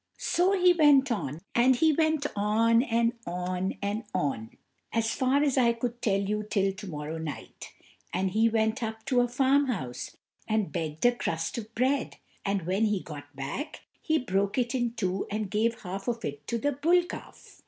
So he went on and he went on and he went on, as far as I could tell you till to morrow night, and he went up to a farmhouse and begged a crust of bread, and when he got back he broke it in two and gave half of it to the bull calf.